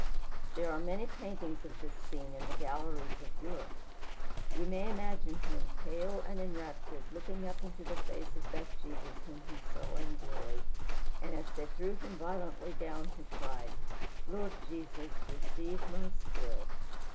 There are many paintings of this scene in the galleries of Europe. We may imagine him, pale and enraptured, looking up into the face of that Jesus whom he saw in glory, and as they threw him violently down he cried, "Lord Jesus, receive my spirit."